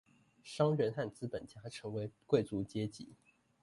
商人和資本家成為貴族階級